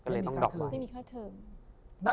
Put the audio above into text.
ไม่มีค่าเทิม